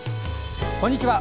こんにちは。